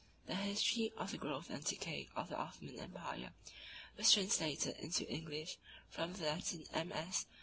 The history of the Growth and Decay (A.D. 1300—1683) of the Othman empire was translated into English from the Latin MS.